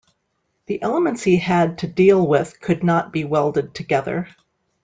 The elements he had to deal with could not be welded together.